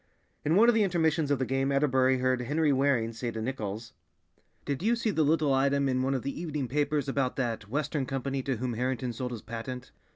In one of the intermissions of the game Atterbury heard Henry Waring say to Nichols, "Did you see the little item in one of the evening papers about that Western Company to whom Harrington sold his patent?"